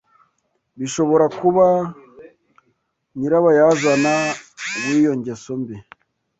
bishobora kuba nyirabayazana w’iyo ngeso mbi